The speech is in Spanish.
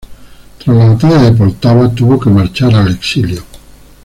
Tras la batalla de Poltava, tuvo que marchar al exilio.